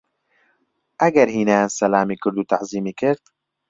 ئەگە هینایان سەلامی کرد و تەعزیمی کرد؟